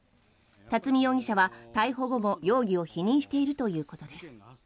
巽容疑者は、逮捕後も容疑を否認しているということです。